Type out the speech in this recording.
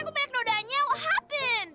aku banyak nodanya what happened